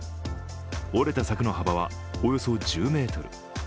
折れた柵の幅はおよそ１０ｍ。